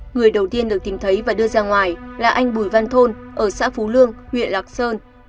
người đầu tiên được tìm thấy và đưa ra ngoài là anh bùi văn thôn ở xã phú lương huyện lạc sơn